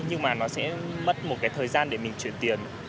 nhưng mà nó sẽ mất một cái thời gian để mình chuyển tiền